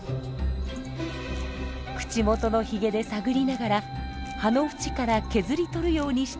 口元のヒゲで探りながら葉のふちから削り取るようにして食べています。